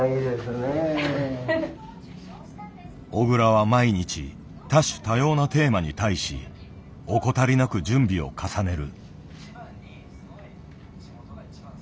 小倉は毎日多種多様なテーマに対し怠りなく準備を重ねる。